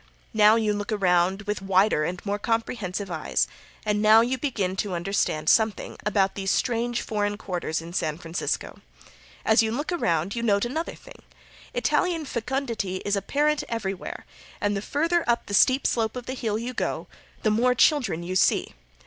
Now you look around with wider and more comprehensive eyes, and now you begin to understand something about these strange foreign quarters in San Francisco. As you look around you note another thing. Italian fecundity is apparent everywhere, and the farther up the steep slope of the Hill you go the more children you see.